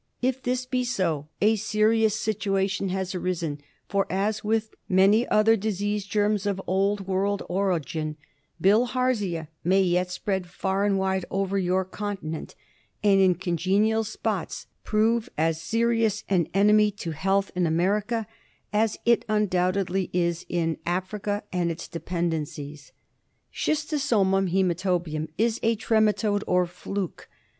If this be so, a serious Q situation has arisen, for, as with many other disease germs of old world origin, Bilharzia may yet spread far and wide over your Conti nent, and in congenial spots prove as serious an enemy to health in America as it undoubt edly is in Africa and its dependencies. Sckistosomum hcEmatobium is a trematode or fluke.